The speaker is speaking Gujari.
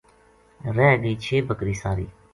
رہ گئی چھ بکری ساری